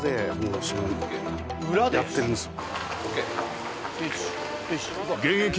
この裏でやってるんですよ